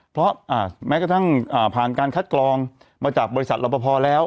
เพราะแม้กระทั่งผ่านการคัดกรองมาจากบริษัทรับประพอแล้ว